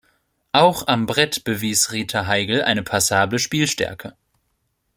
Auch am Brett bewies Rita Heigl eine passable Spielstärke.